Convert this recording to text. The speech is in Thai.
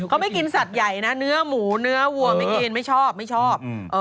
เขาไม่กินสัตว์ใหญ่นะเนื้อหมูเนื้อวัวไม่กินไม่ชอบไม่ชอบ